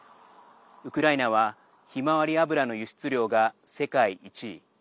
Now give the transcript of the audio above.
ウクライナはひまわり油の輸出量が世界１位。